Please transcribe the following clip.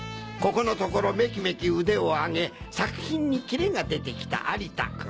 ここのところメキメキ腕を上げ作品にキレが出てきた有田君！